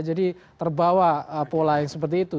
jadi terbawa pola yang seperti itu